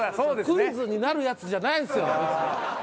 クイズになるやつじゃないですよ。